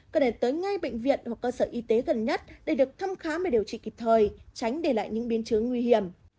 cần để tới ngay bệnh viện hoặc cơ sở y tế gần nhất để được thăm khám và điều trị kịp thời tránh để lại những biến chứng nguy hiểm